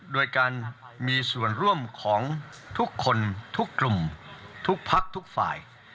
โดยการมีส่วนร่วมของทุกคนทุกกลุ่มทุกพักทุกฝ่าย